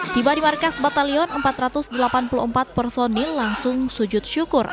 tiba di markas batalion empat ratus delapan puluh empat personil langsung sujud syukur